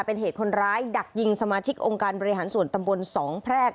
เป็นเหตุคนร้ายดักยิงสมาชิกองค์การบริหารส่วนตำบลสองแพรก